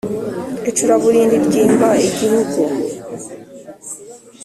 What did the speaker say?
icuraburindi ryima igihugu,